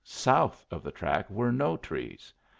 South of the track were no trees.